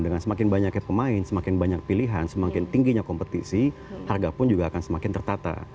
dengan semakin banyaknya pemain semakin banyak pilihan semakin tingginya kompetisi harga pun juga akan semakin tertata